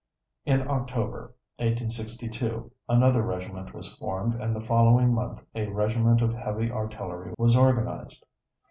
In October, 1862, another regiment was formed and the following month a regiment of heavy artillery was organized.